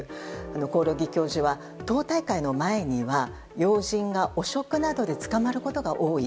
興梠教授は、党大会の前には要人が汚職などで捕まることが多い。